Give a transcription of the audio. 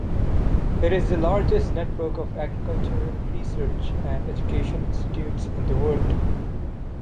It is the largest network of agricultural research and education institutes in the world.